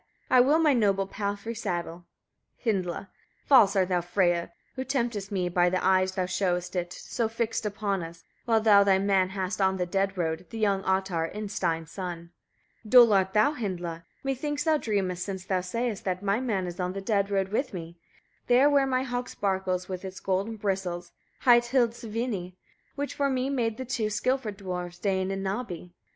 7. I will my noble palfrey saddle. Hyndla. 8. False are thou, Freyia! who temptest me: by thy eyes thou showest it, so fixed upon us; while thou thy man hast on the dead road, the young Ottar, Innstein's son. 9. Dull art thou, Hyndla! methinks thou dreamest, since thou sayest that my man is on the dead road with me; there where my hog sparkles with its golden bristles, hight Hildisvini, which for me made the two skilful dwarfs, Dain and Nabbi.